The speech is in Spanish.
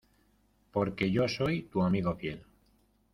Porque yo soy tu amigo fiel.